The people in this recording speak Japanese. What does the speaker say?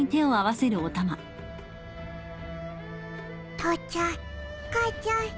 父ちゃん母ちゃん